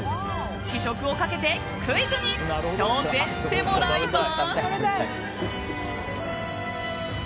試食をかけてクイズに挑戦してもらいます。